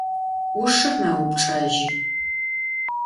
Ӏушыр мэупчӏэжьы.